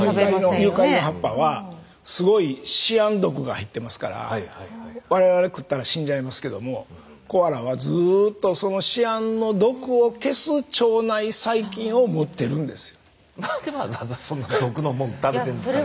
ユーカリの葉っぱはすごいシアン毒が入ってますから我々食ったら死んじゃいますけどもコアラはずっとなんでわざわざそんな毒のもん食べてるんですかね。